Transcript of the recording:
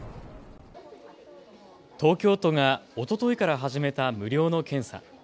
東京都が、おとといから始めた無料の検査。